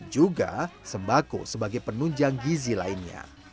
juga sembako sebagai penunjang gizi lainnya